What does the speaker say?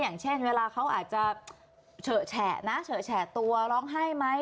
อย่างเช่นเวลาเขาอาจจะเฉอะแฉะตัวร้องไห้ไหม